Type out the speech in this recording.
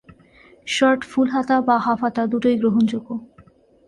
Shirt full হাতা বা half হাতা দুটোই গ্রহণযোগ্য।